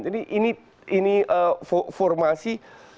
jadi ini formasi